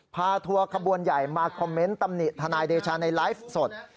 ทัวร์ขบวนใหญ่มาคอมเมนต์ตำหนิทนายเดชาในไลฟ์สด